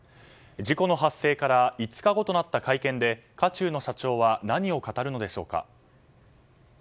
事故の発生から５日後となった会見で渦中の社長は何を語るのでしょうか。